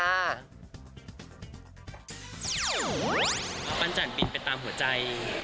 ปั้นจันบินไปตามหัวใจ